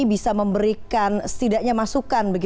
bisa memberikan setidaknya masukan